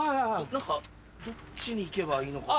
何かどっちに行けばいいのか。